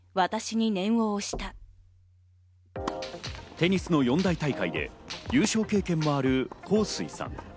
テニスの四大大会で優勝経験もあるホウ・スイさん。